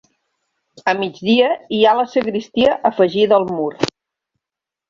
A migdia hi ha la sagristia afegida al mur.